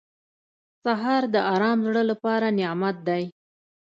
سهار د ارام زړه لپاره نعمت دی.